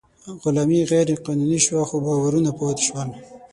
غلامي غیر قانوني شوه، خو باورونه پاتې شول.